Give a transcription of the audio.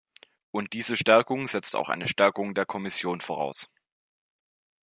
Und diese Stärkung setzt auch eine Stärkung der Kommission voraus.